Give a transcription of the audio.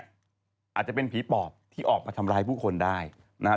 อาจจะเป็นผีปอบที่ออกมาทำร้ายผู้คนได้นะฮะ